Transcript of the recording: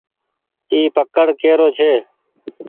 اي پڪڙ ڪي رو ڇي۔